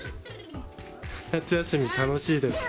夏休み、楽しいですか？